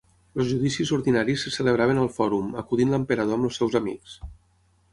Els judicis ordinaris se celebraven al Fòrum, acudint l'Emperador amb els seus amics.